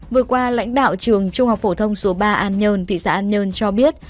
vừa qua lãnh đạo trường trung học phổ thông số ba an nhơn thị xã an nhơn cho biết